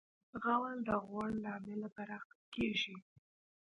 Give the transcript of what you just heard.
غول د غوړ له امله براق کېږي.